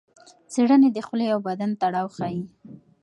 څېړنې د خولې او بدن تړاو ښيي.